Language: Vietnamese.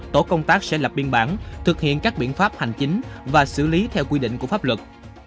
tổ công tác sẽ lập biên bản thực hiện các biện pháp hành chính và xử lý theo quy định của pháp luật